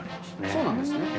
そうなんですね。